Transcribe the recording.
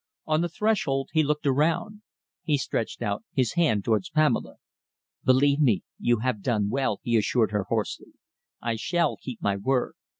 On the threshold he looked around. He stretched out his hand towards Pamela. "Believe me, you have done well," he assured her hoarsely. "I shall keep my word.